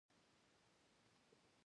زما په ځای بل کس ټاکل شوی دی